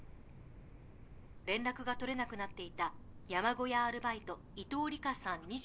連絡が取れなくなっていた山小屋アルバイト伊藤里香さん